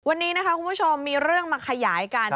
วันนี้นะคะคุณผู้ชมมีเรื่องมาขยายกัน